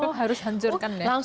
oh harus hancurkan ya